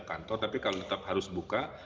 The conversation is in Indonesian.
kantor tapi kalau tetap harus buka